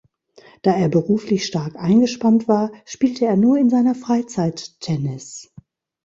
Da er beruflich stark eingespannt war, spielte er nur in seiner Freizeit Tennis.